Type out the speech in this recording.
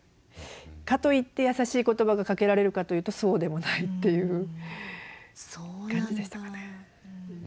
かといって優しい言葉がかけられるかというとそうでもないっていう感じでしたかね。